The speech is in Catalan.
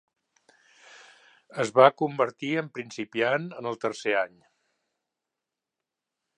Es va convertir en principiant en el tercer any.